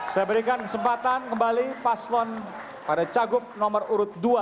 saya berikan kesempatan kembali paslon pada cagup nomor urut dua